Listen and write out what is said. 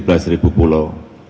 terdiri dari memiliki tujuh belas pulau